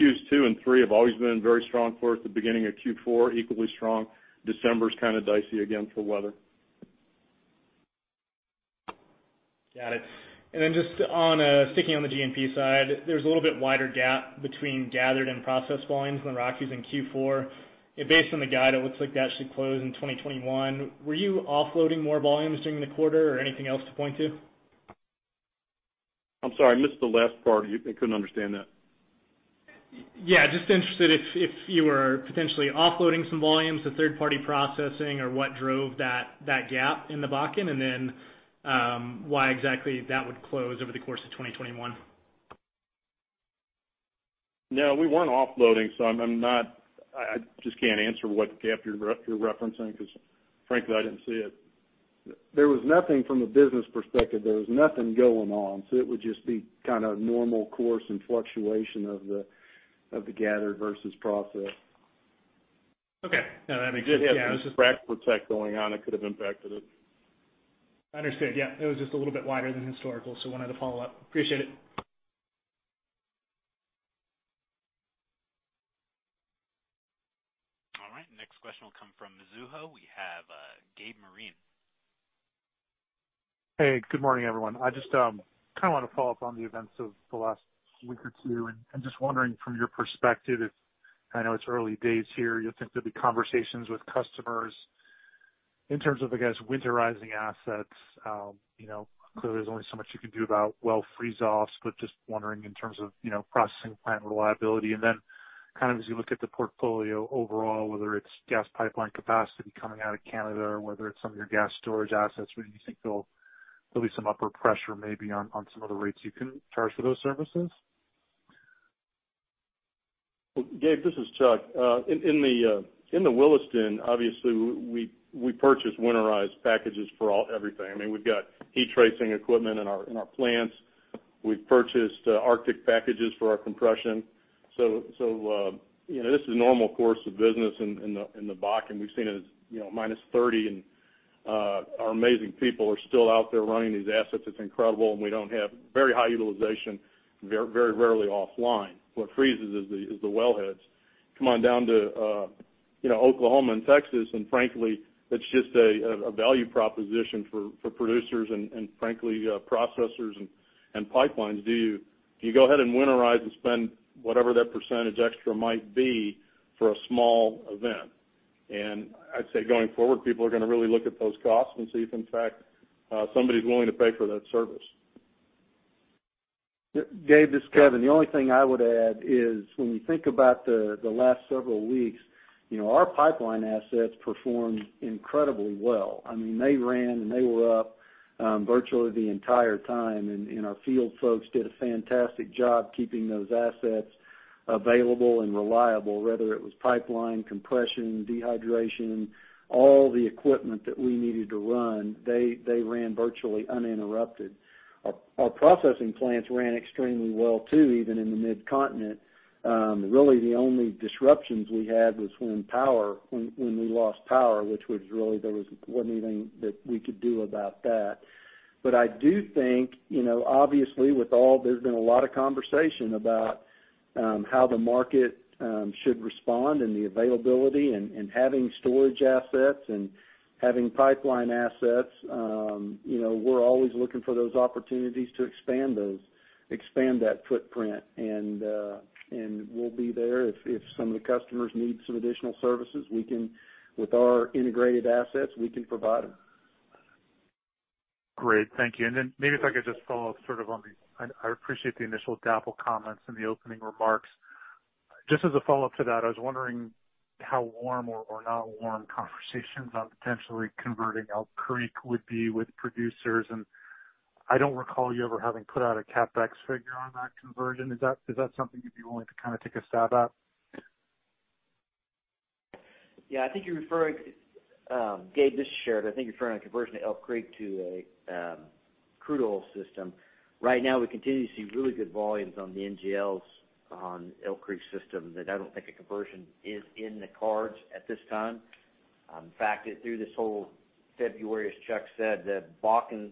Q2 and Q3 have always been very strong for us. The beginning of Q4, equally strong. December's kind of dicey again for weather. Got it. Just sticking on the G&P side, there's a little bit wider gap between gathered and processed volumes in the Rockies in Q4. Based on the guide, it looks like that should close in 2021. Were you offloading more volumes during the quarter or anything else to point to? I'm sorry, I missed the last part. I couldn't understand that. Yeah, just interested if you were potentially offloading some volumes to third-party processing or what drove that gap in the Bakken, and then why exactly that would close over the course of 2021. No, we weren't offloading, so I just can't answer what gap you're referencing because frankly, I didn't see it. There was nothing from a business perspective. There was nothing going on. It would just be kind of normal course and fluctuation of the gathered versus processed. Okay. No, that makes sense. Yeah. We did have some frac protect going on that could have impacted it. Understood. Yeah. It was just a little bit wider than historical, so wanted to follow up. Appreciate it. All right, next question will come from Mizuho. We have Gabe Moreen. Hey, good morning, everyone. I just want to follow up on the events of the last week or two and just wondering from your perspective if I know it's early days here, you'll think there'll be conversations with customers in terms of, I guess, winterizing assets. Clearly, there's only so much you can do about well freeze-offs, but just wondering in terms of processing plant reliability. Then as you look at the portfolio overall, whether it's gas pipeline capacity coming out of Canada or whether it's some of your gas storage assets, whether you think there'll be some upward pressure maybe on some of the rates you can charge for those services? Gabe, this is Chuck. In the Williston, obviously, we purchase winterized packages for everything. We've got heat tracing equipment in our plants. We've purchased arctic packages for our compression. This is normal course of business in the Bakken. We've seen it as -30, and our amazing people are still out there running these assets. It's incredible. We don't have very high utilization, very rarely offline. What freezes is the wellheads. Come on down to Oklahoma and Texas, and frankly, it's just a value proposition for producers and frankly, processors and pipelines. Do you go ahead and winterize and spend whatever that percentage extra might be for a small event? I'd say going forward, people are going to really look at those costs and see if, in fact, somebody's willing to pay for that service. Gabe, this is Kevin. The only thing I would add is when we think about the last several weeks, our pipeline assets performed incredibly well. They ran, and they were up virtually the entire time. Our field folks did a fantastic job keeping those assets available and reliable, whether it was pipeline compression, dehydration. All the equipment that we needed to run, they ran virtually uninterrupted. Our processing plants ran extremely well, too, even in the Mid-Continent. Really, the only disruptions we had was when we lost power, which was really, there wasn't anything that we could do about that. I do think, obviously, there's been a lot of conversation about how the market should respond and the availability and having storage assets and having pipeline assets. We're always looking for those opportunities to expand that footprint. We'll be there if some of the customers need some additional services. With our integrated assets, we can provide them. Great. Thank you. Maybe if I could just follow up. I appreciate the initial DAPL comments in the opening remarks. Just as a follow-up to that, I was wondering how warm or not warm conversations on potentially converting Elk Creek would be with producers. I don't recall you ever having put out a CapEx figure on that conversion. Is that something you'd be willing to kind of take a stab at? Yeah, Gabe, this is Sheridan. I think you're referring to conversion of Elk Creek to a crude oil system. Right now, we continue to see really good volumes on the NGLs on Elk Creek system, that I don't think a conversion is in the cards at this time. In fact, through this whole February, as Chuck said, the Bakken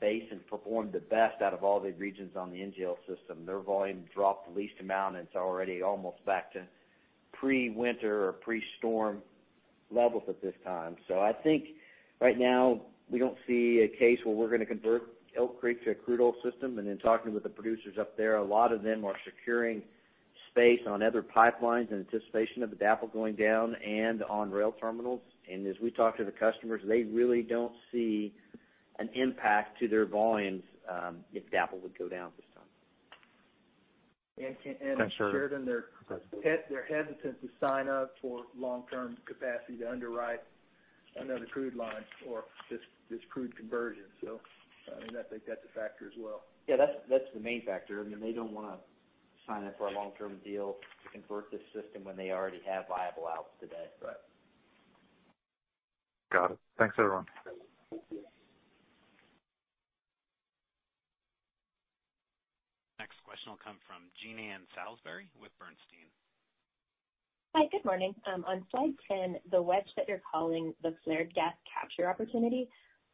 basin performed the best out of all the regions on the NGL system. Their volume dropped the least amount, and it's already almost back to pre-winter or pre-storm levels at this time. I think right now we don't see a case where we're going to convert Elk Creek to a crude oil system. In talking with the producers up there, a lot of them are securing space on other pipelines in anticipation of the DAPL going down and on rail terminals. As we talk to the customers, they really don't see an impact to their volumes if DAPL would go down at this time. Sheridan, they're hesitant to sign up for long-term capacity to underwrite another crude line or this crude conversion. I think that's a factor as well. Yeah, that's the main factor. They don't want to sign up for a long-term deal to convert this system when they already have viable outs today. Got it. Thanks, everyone. Next question will come from Jean Ann Salisbury with Bernstein. Hi. Good morning. On slide 10, the wedge that you're calling the flared gas capture opportunity,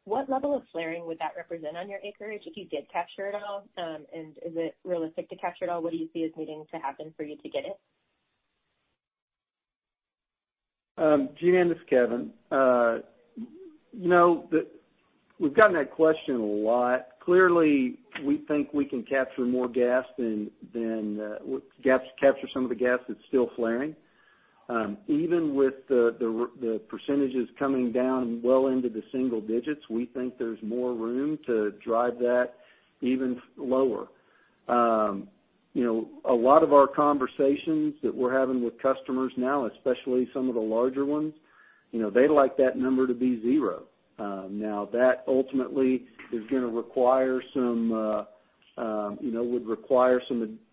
what level of flaring would that represent on your acreage if you did capture it all? Is it realistic to capture it all? What do you see as needing to happen for you to get it? Jean Ann, this is Kevin. We've gotten that question a lot. Clearly, we think we can capture some of the gas that's still flaring. Even with the percentages coming down well into the single digits, we think there's more room to drive that even lower. A lot of our conversations that we're having with customers now, especially some of the larger ones, they'd like that number to be zero. Now, that ultimately would require some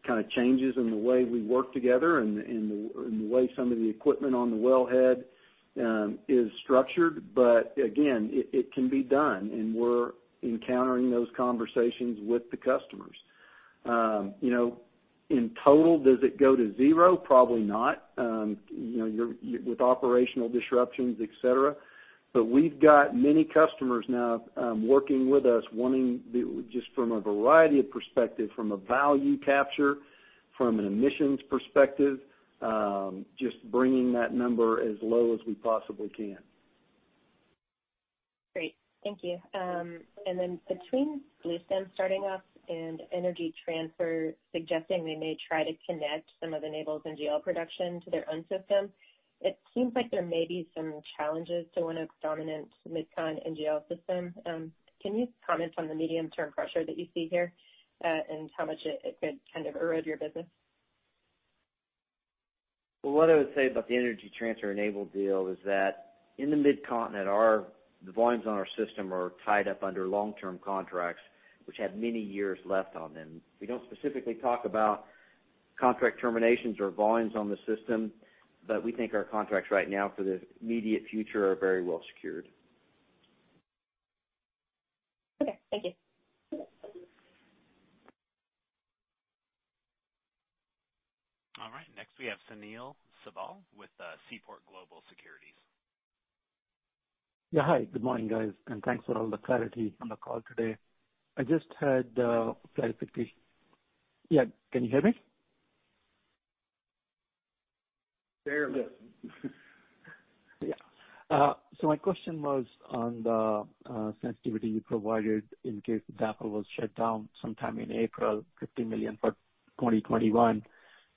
kind of changes in the way we work together and in the way some of the equipment on the wellhead is structured. Again, it can be done, and we're encountering those conversations with the customers. In total, does it go to zero? Probably not with operational disruptions, et cetera. We've got many customers now working with us, wanting, just from a variety of perspective, from a value capture, from an emissions perspective, just bringing that number as low as we possibly can. Great. Thank you. Between Bluestem starting up and Energy Transfer suggesting they may try to connect some of Enable's NGL production to their own system, it seems like there may be some challenges to ONEOK's dominant MidCon NGL system. Can you comment on the medium-term pressure that you see here and how much it could kind of erode your business? Well, what I would say about the Energy Transfer Enable deal is that in the Mid-Continent, the volumes on our system are tied up under long-term contracts, which have many years left on them. We don't specifically talk about. Contract terminations or volumes on the system. We think our contracts right now for the immediate future are very well secured. Okay, thank you. All right, next we have Sunil Sibal with Seaport Global Securities. Yeah, hi. Good morning, guys, and thanks for all the clarity on the call today. I just had a clarity. Can you hear me? Barely. Yeah. My question was on the sensitivity you provided in case DAPL was shut down sometime in April, $50 million for 2021.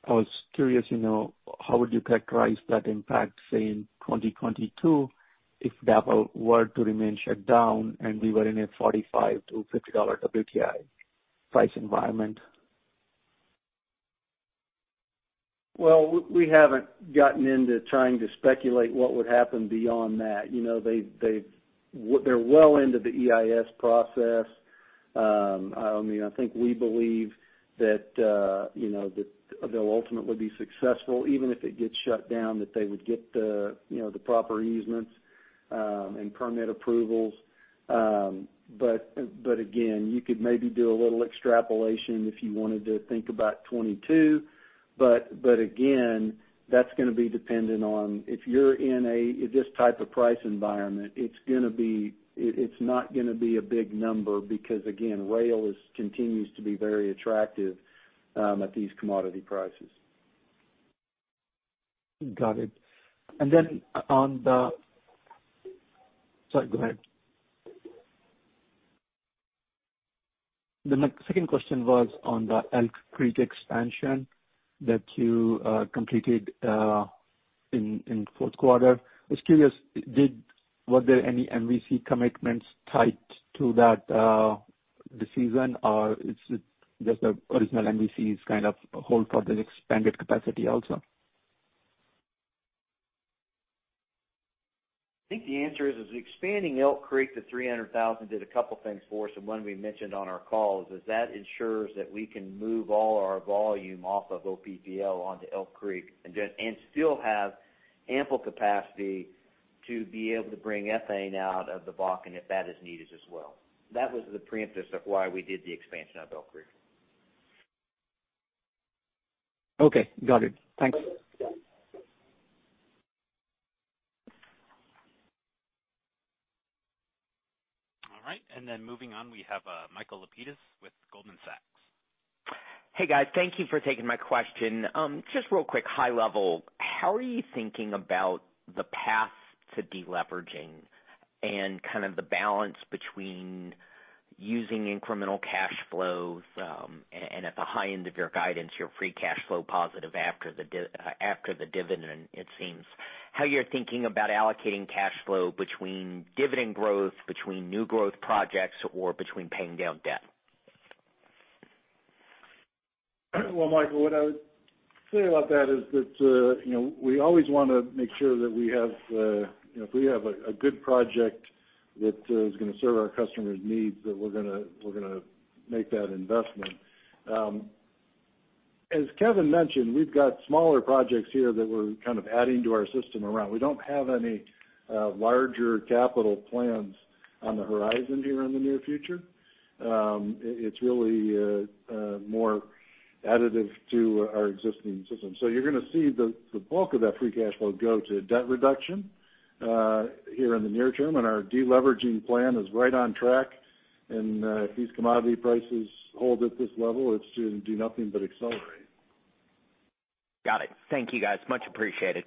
I was curious to know how would you characterize that impact, say, in 2022 if DAPL were to remain shut down and we were in a $45-$50 WTI price environment? Well, we haven't gotten into trying to speculate what would happen beyond that. They're well into the EIS process. I think we believe that they'll ultimately be successful, even if it gets shut down, that they would get the proper easements and permit approvals. Again, you could maybe do a little extrapolation if you wanted to think about 2022. Again, that's going to be dependent on if you're in this type of price environment, it's not going to be a big number because, again, rail continues to be very attractive at these commodity prices. Got it. Sorry, go ahead. The second question was on the Elk Creek expansion that you completed in fourth quarter. I was curious, was there any MVC commitments tied to that this season? Is it just the original MVCs kind of hold for the expanded capacity also? I think the answer is, expanding Elk Creek to 300,000 did a couple of things for us, and one we mentioned on our call, is that ensures that we can move all our volume off of OPPL onto Elk Creek and still have ample capacity to be able to bring ethane out of the Bakken if that is needed as well. That was the premise of why we did the expansion of Elk Creek. Okay, got it. Thanks. All right, moving on, we have Michael Lapides with Goldman Sachs. Hey, guys. Thank you for taking my question. Just real quick, high level, how are you thinking about the path to deleveraging and kind of the balance between using incremental cash flows, and at the high end of your guidance, you're free cash flow positive after the dividend, it seems. How you're thinking about allocating cash flow between dividend growth, between new growth projects, or between paying down debt? Well, Michael, what I would say about that is that we always want to make sure that if we have a good project that is going to serve our customers' needs, that we're going to make that investment. As Kevin mentioned, we've got smaller projects here that we're kind of adding to our system around. We don't have any larger capital plans on the horizon here in the near future. It's really more additive to our existing system. You're going to see the bulk of that free cash flow go to debt reduction here in the near term. Our deleveraging plan is right on track. If these commodity prices hold at this level, it's going to do nothing but accelerate. Got it. Thank you, guys. Much appreciated.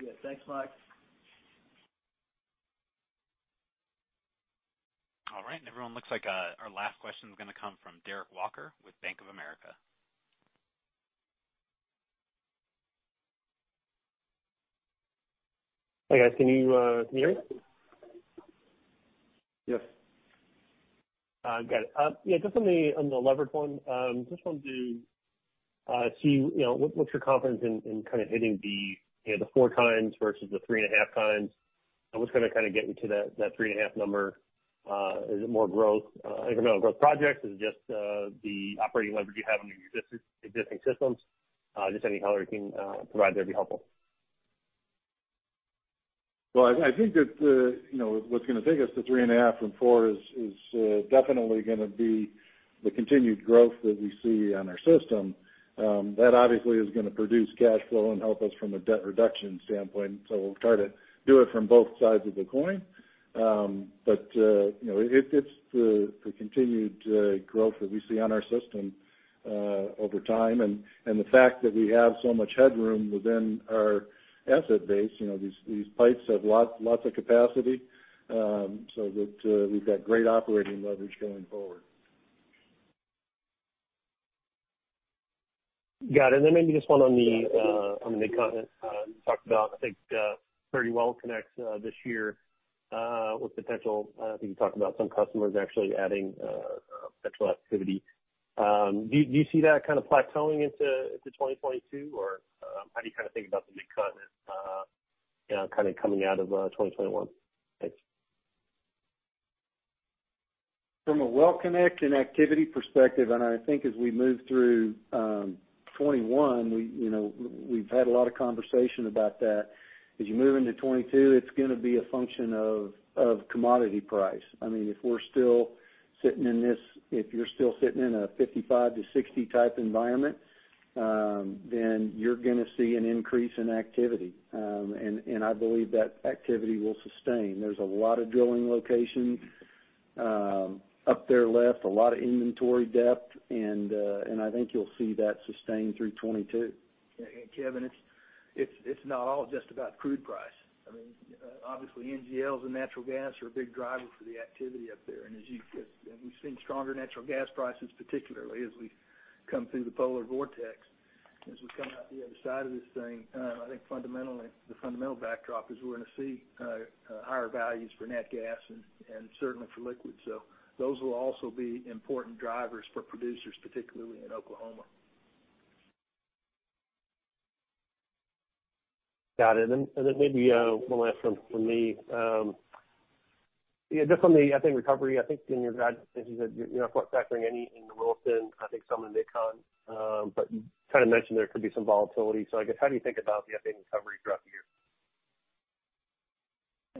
Yeah, thanks, Mike. All right. Everyone, looks like our last question is going to come from Derek Walker with Bank of America. Hi, guys. Can you hear me? Yes. Got it. Yeah, just on the leverage one, just wanted to see what's your confidence in kind of hitting the 4 times versus the 3.5 Times? What's going to kind of get you to that 3.5? Is it more incremental growth projects? Is it just the operating leverage you have on your existing systems? Just any color you can provide there would be helpful. Well, I think that what's going to take us to 3.5 from 4 is definitely going to be the continued growth that we see on our system. That obviously is going to produce cash flow and help us from a debt reduction standpoint. We'll try to do it from both sides of the coin. It's the continued growth that we see on our system over time, and the fact that we have so much headroom within our asset base. These pipes have lots of capacity, so that we've got great operating leverage going forward. Got it. Maybe just one on the continent you talked about, I think, pretty well connect this year. I think you talked about some customers actually adding potential activity. Do you see that kind of plateauing into 2022, or how do you kind of think about the Mid-Continent kind of coming out of 2021? Thanks. From a well connect and activity perspective, I think as we move through 2021, we've had a lot of conversation about that. As you move into 2022, it's going to be a function of commodity price. If you're still sitting in a $55-$60 type environment, you're going to see an increase in activity. I believe that activity will sustain. There's a lot of drilling locations up there left, a lot of inventory depth, I think you'll see that sustain through 2022. Kevin, it's not all just about crude price. Obviously, NGLs and natural gas are a big driver for the activity up there. We've seen stronger natural gas prices, particularly as we come through the polar vortex. As we come out the other side of this thing, I think the fundamental backdrop is we're going to see higher values for nat gas and certainly for liquids. Those will also be important drivers for producers, particularly in Oklahoma. Got it. Maybe one last one from me. Just on the ethane recovery, I think in your guidance, you said you're not factoring any in the Williston, I think some in Mid-Continent. You kind of mentioned there could be some volatility. I guess how do you think about the ethane recovery throughout the year?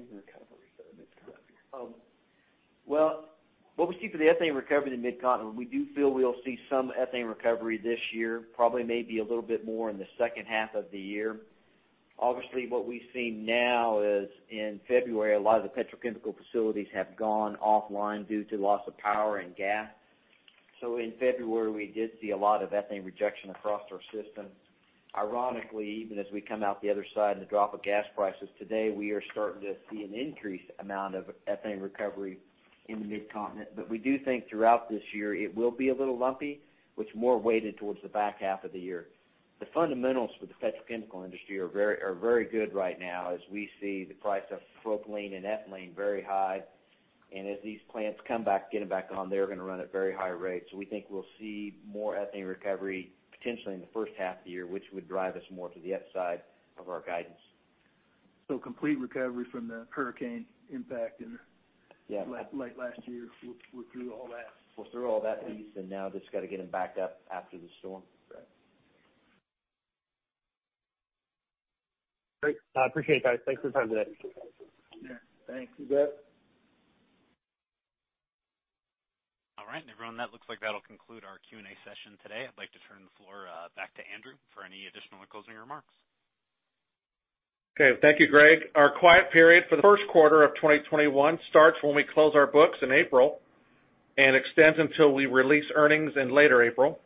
Ethane recovery for the Mid-Continent. Well, what we see for the ethane recovery in the Mid-Continent, we do feel we'll see some ethane recovery this year, probably maybe a little bit more in the second half of the year. What we see now is in February, a lot of the petrochemical facilities have gone offline due to loss of power and gas. In February, we did see a lot of ethane rejection across our system. Ironically, even as we come out the other side and the drop of gas prices today, we are starting to see an increased amount of ethane recovery in the Mid-Continent. We do think throughout this year, it will be a little lumpy, with more weighted towards the back half of the year. The fundamentals for the petrochemical industry are very good right now as we see the price of propylene and ethylene very high. As these plants come back, get them back on, they're going to run at very high rates. We think we'll see more ethane recovery potentially in the first half of the year, which would drive us more to the upside of our guidance. Complete recovery from the hurricane impact. Yeah. Late last year. We're through all that. We're through all that piece, and now just got to get them back up after the storm. Correct. Great. I appreciate it, guys. Thanks for the time today. Yeah. Thanks. You bet. All right, everyone, that looks like that'll conclude our Q&A session today. I'd like to turn the floor back to Andrew for any additional or closing remarks. Okay. Thank you, Greg. Our quiet period for the first quarter of 2021 starts when we close our books in April and extends until we release earnings in later April.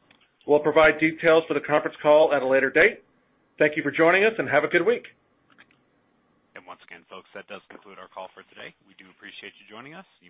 We'll provide details for the conference call at a later date. Thank you for joining us, and have a good week. Once again, folks, that does conclude our call for today. We do appreciate you joining us.